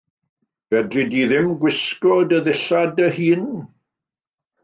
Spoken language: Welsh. Fedri di ddim gwisgo dy ddillad dy hun?